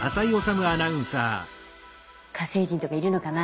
「火星人とかいるのかなあ」